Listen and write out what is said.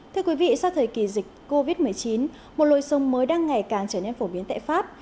thưa quý vị sau thời kỳ dịch covid một mươi chín một lối sống mới đang ngày càng trở nên phổ biến tại pháp